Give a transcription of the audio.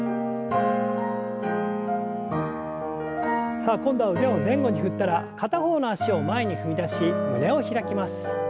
さあ今度は腕を前後に振ったら片方の脚を前に踏み出し胸を開きます。